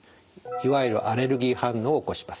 いわゆるアレルギー反応を起こします。